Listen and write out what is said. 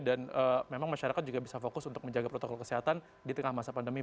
dan memang masyarakat juga bisa fokus untuk menjaga protokol kesehatan di tengah masa pandemi